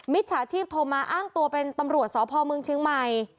จฉาชีพโทรมาอ้างตัวเป็นตำรวจสพเมืองเชียงใหม่